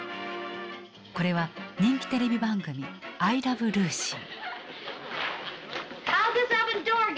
これは人気テレビ番組「アイ・ラブ・ルーシー」。